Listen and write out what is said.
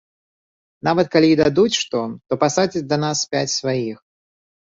Нават калі і дадуць што, то пасадзяць да нас пяць сваіх.